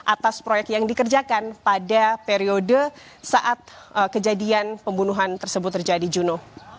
atas proyek yang dikerjakan pada periode saat kejadian pembunuhan tersebut terjadi juno